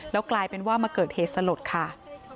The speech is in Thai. แล้วกลายเป็นว่ามาเกิดเหตุสลดค่ะ